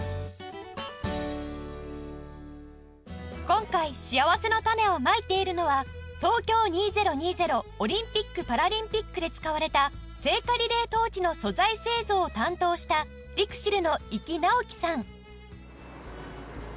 今回しあわせのたねをまいているのは東京２０２０オリンピック・パラリンピックで使われた聖火リレートーチの素材製造を担当した ＬＩＸＩＬ の伊木直輝さん